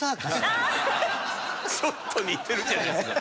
ちょっと似てるじゃないですか。